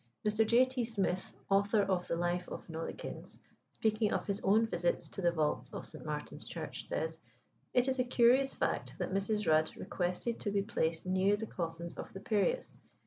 Mr. J. T. Smith, author of the Life of Nollekens, speaking of his own visits to the vaults of St. Martin's Church, says, "It is a curious fact that Mrs. Rudd requested to be placed near the coffins of the Perreaus.